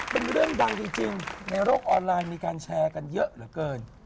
เป็นเรื่องดังจริงในโลกออนไลน์มีการแชร์กันเยอะเหลือเกิน